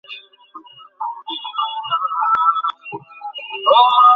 কর্মযোগ কাজ করাকে একটি রীতিমত বিজ্ঞানে পরিণত করিয়াছে।